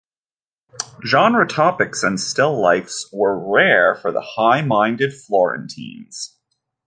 Genre topics and still lifes were rare for the high-minded Florentines.